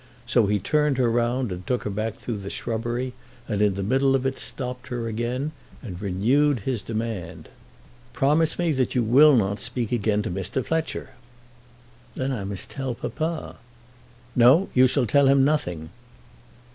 So he turned her round and took her back through the shrubbery, and in the middle of it stopped her again and renewed his demand. "Promise me that you will not speak again to Mr. Fletcher." "Then I must tell papa." "No; you shall tell him nothing."